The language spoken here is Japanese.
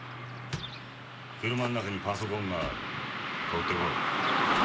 車の中にパソコンがある取ってこい。